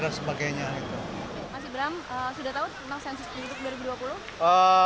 mas ibram sudah tahu tentang sensus penduduk dua ribu dua puluh